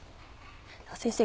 先生